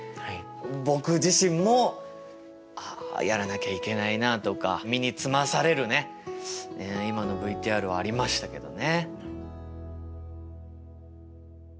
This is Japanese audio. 僕自身も「あやらなきゃいけないな」とか身につまされるね今のＶＴＲはありましたけどね。